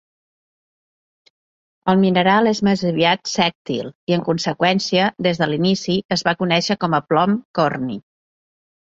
El mineral és més aviat sèctil, i en conseqüència, des de l'inici es va conèixer com a plom corni.